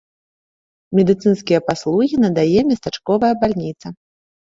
Медыцынскія паслугі надае местачковая бальніца.